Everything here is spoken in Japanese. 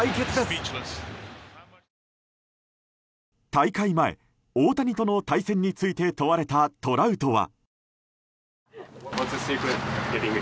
大会前、大谷との対戦について問われたトラウトは。